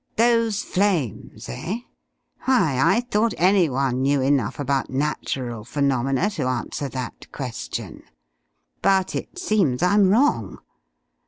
Those flames, eh? Why I thought any one knew enough about natural phenomena to answer that question. But it seems I'm wrong.